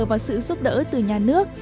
vào sự giúp đỡ từ nhà nước